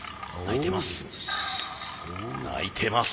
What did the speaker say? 鳴いてます。